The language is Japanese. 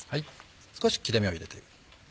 少し切れ目を入れて。